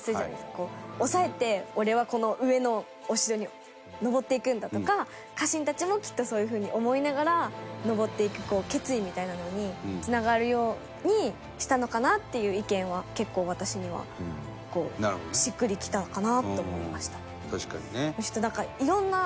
おさえて「俺はこの上のお城に上っていくんだ」とか家臣たちもきっとそういう風に思いながら上っていく決意みたいなのにつながるようにしたのかなっていう意見は結構私にはしっくりきたかなと思いました。